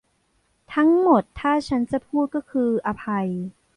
ทั้งหมดถ้าฉันจะพูดก็คืออภัย